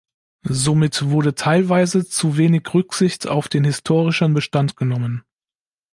Somit wurde teilweise zu wenig Rücksicht auf den historischen Bestand genommen.